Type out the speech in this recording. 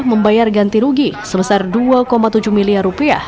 membayar ganti rugi sebesar dua tujuh miliar rupiah